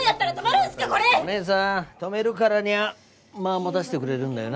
お姉さん止めるからには間持たせてくれるんだよな？